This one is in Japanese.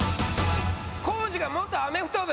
コージが元アメフト部。